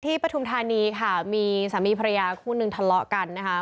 ปฐุมธานีค่ะมีสามีภรรยาคู่นึงทะเลาะกันนะคะ